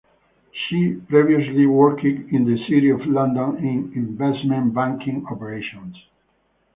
She previously worked in the City of London in investment banking operations.